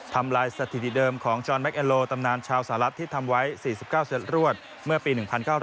ทำลายสถิติเดิมของจอนแก๊โลตำนานชาวสหรัฐที่ทำไว้๔๙เซตรวดเมื่อปี๑๙๙